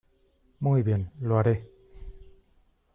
Muy bien, lo haré.